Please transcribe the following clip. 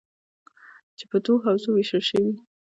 چې په دوو حوزو ویشل شوي: